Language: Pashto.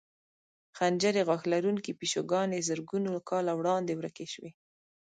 خنجري غاښ لرونکې پیشوګانې زرګونو کاله وړاندې ورکې شوې.